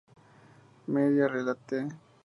Media related to at Wikimedia Commons